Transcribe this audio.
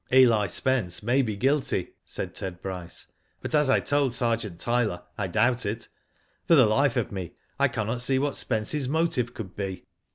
" Eli Spence may be guilty," said Ted Bryce ; *^but as I told Sergeant Tyler, I doubt it. For the life of me I cannot see what Spence's motive could be."